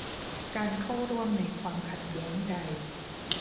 การเข้าร่วมในความขัดแย้งใด